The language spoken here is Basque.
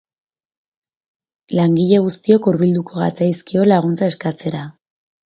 Langile guztiok hurbilduko gatzaizkio laguntza eskaintzera.